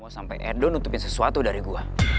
sampai ada yang menutupi sesuatu dari gue